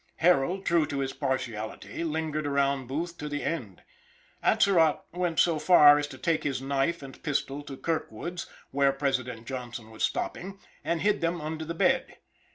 Harold true to his partiality, lingered around Booth to the end; Atzerott went so far as to take his knife and pistol to Kirkwood's, where President Johnson was stopping, and hid them under the bed.